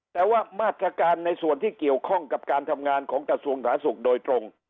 แต่ว่ามาตรการในส่วนที่เกี่ยวข้องกับการทำงานของกระทรวงสาธารณสุขโดยตรง